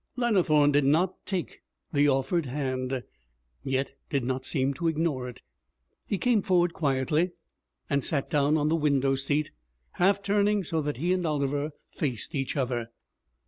Lannithorne did not take the offered hand, yet did not seem to ignore it. He came forward quietly and sat down on the window seat, half turning so that he and Oliver faced each other.